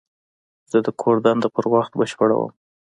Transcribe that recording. زه د کور دنده په وخت بشپړوم.